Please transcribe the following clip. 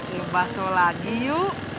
ngebahso lagi yuk